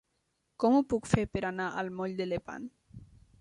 Com ho puc fer per anar al moll de Lepant?